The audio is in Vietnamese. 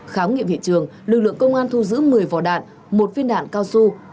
kháng nghiệm hiện trường lực lượng công an thu giữ một mươi vỏ đạn một phiên đạn cao su